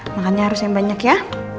makannya harus yang banyak ya